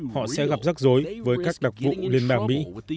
họ sẽ gặp rắc rối với các đặc vụ liên bang mỹ